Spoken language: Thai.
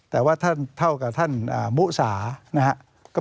แต่ว่าท่านเท่ากับท่านมุสานะครับ